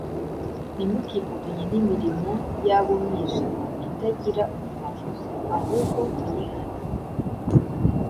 Ntimukifatanye n’imirimo y’ab’umwijima itagira umumaro, ahubwo muyihane.